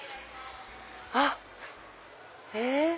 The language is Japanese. あっ！え？